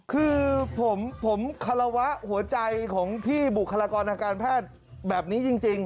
คือผมคารวะหัวใจของพี่บุคลากรทางการแพทย์แบบนี้จริง